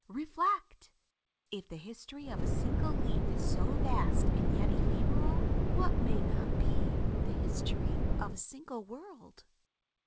Reflect! If the history of a single leaf is so vast and yet ephemeral, what may not be the history of a single world?